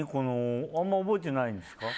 あんま覚えてないんですか。